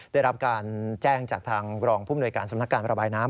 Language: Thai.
ได้รับการแจ้งจากทางรองภูมิหน่วยการสำนักการระบายน้ำ